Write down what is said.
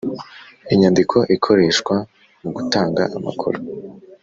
Inyandiko ikoreshwa mu gutanga amakuru